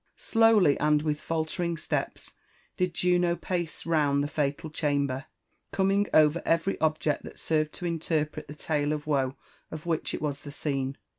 Slowly and with faltering steps did Juno pace round the fatal cham ber, conning oyer every object that served to interpret the tale of woe of which it was the scene.